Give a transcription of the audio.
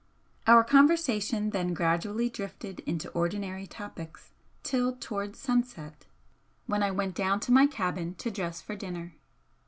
Our conversation then gradually drifted into ordinary topics till towards sunset, when I went down to my cabin to dress for dinner.